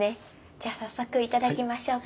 じゃあ早速頂きましょうか。